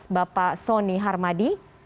bapak soni harmadi